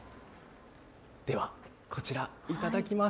では、こちら、いただきます。